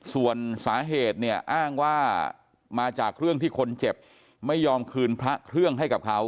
ส่วนสาเหตุเนี่ยอ้างว่ามาจากเรื่องที่คนเจ็บไม่ยอมคืนพระเครื่องให้กับเขา